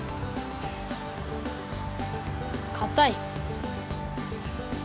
かたい！